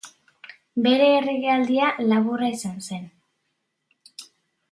Bere erregealdia laburra izan zen.